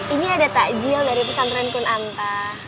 ini ada takjil dari pesantren kunanta